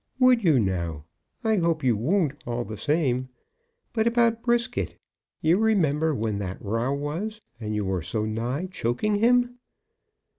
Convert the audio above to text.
"Would you, now? I hope you won't, all the same. But about Brisket. You remember when that row was, and you were so nigh choking him?"